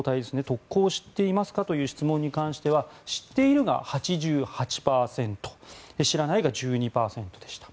特攻を知っていますかという質問に関しては知っているが８８％知らないが１２％でした。